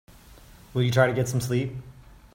Will you try to get some sleep?